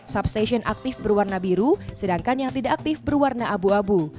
substation aktif berwarna biru sedangkan yang tidak aktif berwarna abu abu